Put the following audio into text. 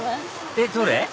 えっどれ？